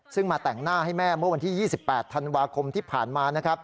ซึ่งมาแต่งหน้าให้แม่เมื่อวันที่๒๘ธันวาคมที่ผ่านมานะครับ